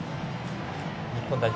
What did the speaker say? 日本代表